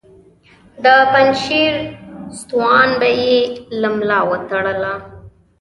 د پنجشیر ستوان به یې له ملا وتړل.